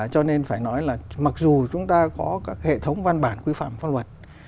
cho nên phải nói là mặc dù chúng ta có các hệ thống văn bản quy phạm pháp luật